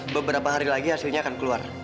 beberapa hari lagi hasilnya akan keluar